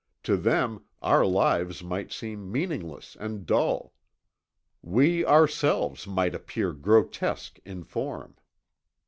To them, our lives might seem meaningless and dull. We ourselves might appear grotesque in form.